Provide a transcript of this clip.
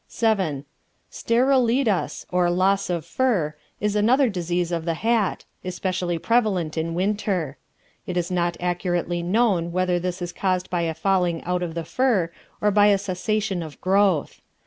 VII. Sterilitas, or Loss of Fur, is another disease of the hat, especially prevalent in winter. It is not accurately known whether this is caused by a falling out of the fur or by a cessation of growth.